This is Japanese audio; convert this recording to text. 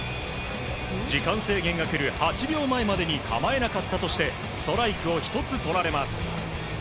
時間制限が来る８秒前までに構えなかったとしてストライクを１つとられます。